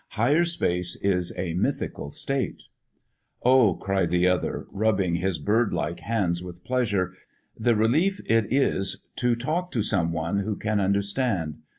Higher Space is a mythical state." "Oh!" cried the other, rubbing his birdlike hands with pleasure, "the relief it is to be to talk to some one who can understand!